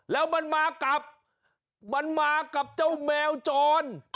แล้วมันมากับเจ้าแมวจร